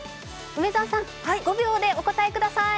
梅澤さん、５秒でお答えください。